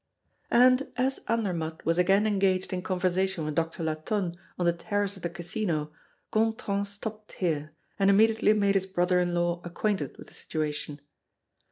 And, as Andermatt was again engaged in conversation with Doctor Latonne on the terrace of the Casino, Gontran stopped here, and immediately made his brother in law acquainted with the situation.